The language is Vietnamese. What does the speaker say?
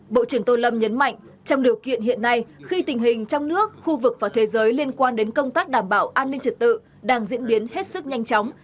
bộ trưởng tô lâm nhấn mạnh trong điều kiện hiện nay khi tình hình trong nước khu vực và thế giới liên quan đến công tác đảm bảo an ninh trật tự đang diễn biến hết sức nhanh chóng